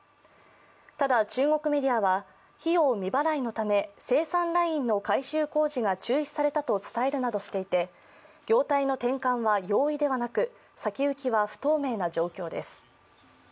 ただ、中国メディアは費用未払いのため生産ラインの改修工事が中止されたと伝えるなどしていて業態の転換は容易ではなく、先行きは不透明な状況です。